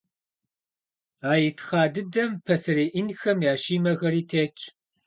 А итхъа дыдэм пасэрей инкхэм я Щимэхэри тетщ.